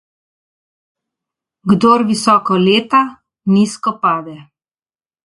Kdor visoko leta, nizko pade.